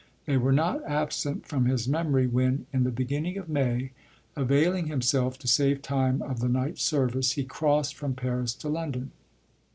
They were not absent from his memory when, in the beginning of May, availing himself, to save time, of the night service, he crossed from Paris to London.